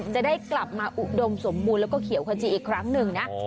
จะได้กลับมาอุดมสมบูรณ์แล้วก็เขียวขจีอีกครั้งหนึ่งนะ